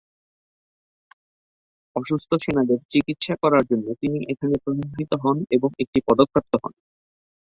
অসুস্থ সেনাদের চিকিৎসা করার জন্য তিনি এখানে প্রশংসিত হন এবং একটি পদক প্রাপ্ত হন।